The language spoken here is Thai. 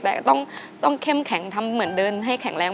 แต่ก็ต้องเข้มแข็งทำเหมือนเดินให้แข็งแรง